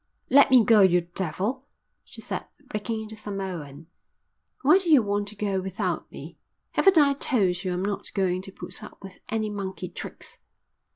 "Let me go, you devil," she said, breaking into Samoan. "Why do you want to go without me? Haven't I told you I'm not going to put up with any monkey tricks?"